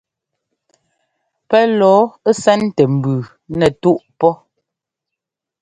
Pɛ́ lɔɔ ɛ́sɛ́ntɛ mbʉʉ nɛtúꞌ pɔ́.